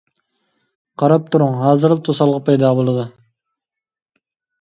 قاراپ تۇرۇڭ، ھازىرلا توسالغۇ پەيدا بولىدۇ.